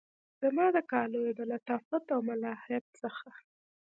زما د کالیو د لطافت او ملاحت څخه